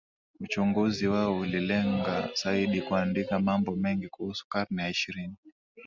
uchunguzi wao ulilenga zaidi kuandika mambo mengi kuhusu karne ya ishirini